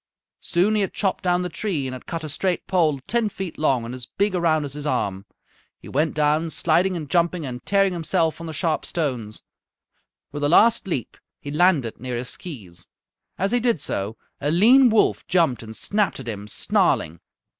Soon he had chopped down the tree and had cut a straight pole ten feet long and as big around as his arm. He went down, sliding and jumping and tearing himself on the sharp stones. With a last leap he landed near his skees. As he did so a lean wolf jumped and snapped at him, snarling.